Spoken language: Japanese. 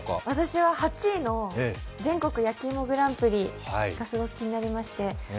私は８位の全国やきいもグランプリが気になりまして